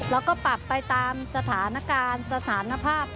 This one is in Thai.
แล้วก็ปรับไปตามสถานการณ์สถานภาพ